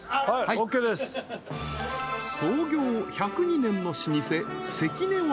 ［創業１０２年の老舗セキネは］